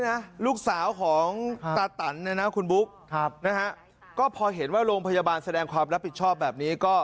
นี่ลูกสาวของตราตัลเพราาะพอเห็นว่าโรงพยาบาลแสดงความรับผิดชอบแบบนี้